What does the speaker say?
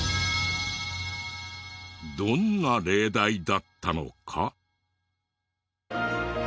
どんな例題だったのか？